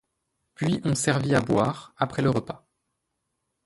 Puis on servit à boire, après le repas.